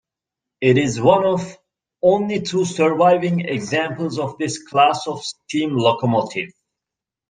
It is one of only two surviving examples of this class of steam locomotive.